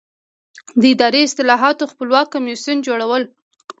د اداري اصلاحاتو خپلواک کمیسیون جوړول.